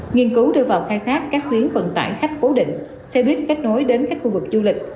nghiên cứu đưa vào khai thác các tuyến vận tải khách cố định xe buýt kết nối đến các khu vực du lịch